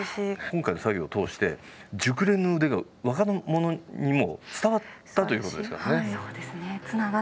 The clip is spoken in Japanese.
今回の作業を通して熟練の腕が若者にも伝わったということですからね。